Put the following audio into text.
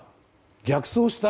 逆走した？